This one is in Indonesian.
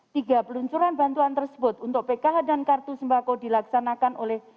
tiga peluncuran bantuan tersebut untuk pkh dan kartu sembako dilaksanakan oleh